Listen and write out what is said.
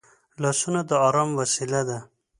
لاسونه د ارام وسیله ده